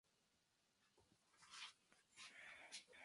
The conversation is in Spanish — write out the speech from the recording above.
Brian Wilson ha dicho que: "'Tears in the Morning' es preciosa".